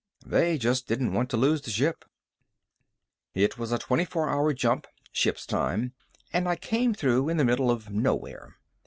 They just didn't want to lose the ship. It was a twenty hour jump, ship's time, and I came through in the middle of nowhere.